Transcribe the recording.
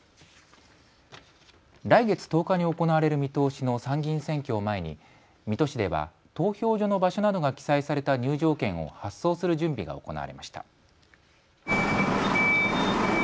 来月１０日に行われる見通しの参議院選挙を前に水戸市では投票所の場所などが記載された入場券を発送する準備が行われました。